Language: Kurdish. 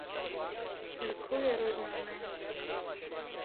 Li ku ye rojname?